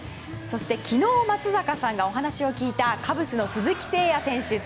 そして昨日松坂さんがお話を聞いたカブスの鈴木誠也選手